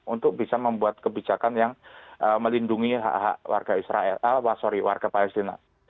untuk bisa membuat kebijakan yang melindungi warga palestina